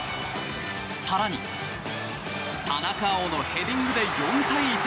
更に、田中碧のヘディングで４対１。